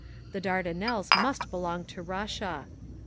The Dardanelles must belong to Russia….